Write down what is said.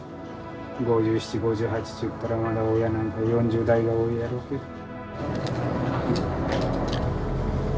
５７５８ちゅったらまだ親なんか４０代が多いだろうに。